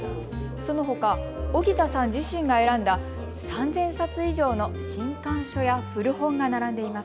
そのほか荻田さん自身が選んだ３０００冊以上の新刊書や古本が並んでいます。